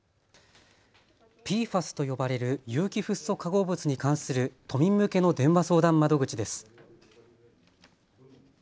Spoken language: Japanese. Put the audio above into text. ＰＦＡＳと呼ばれる有機フッ素化合物に関する都民向けの電話相談窓口です。